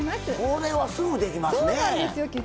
これはすぐできますね。